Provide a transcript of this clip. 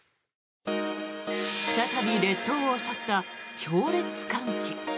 再び列島を襲った強烈寒気。